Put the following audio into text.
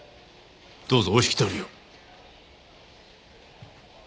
どうぞお引き取りを。